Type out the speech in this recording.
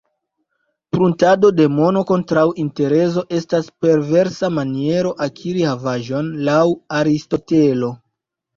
Pruntado de mono kontraŭ interezo estas perversa maniero akiri havaĵon, laŭ Aristotelo.